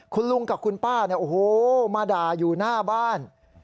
คุณลุงกับคุณป้าเนี่ยโอ้โหมาด่าอยู่หน้าบ้าน